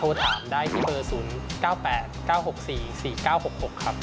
ถามได้ที่เบอร์๐๙๘๙๖๔๔๙๖๖ครับ